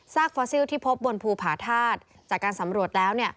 ฟอสซิลที่พบบนภูผาธาตุจากการสำรวจแล้ว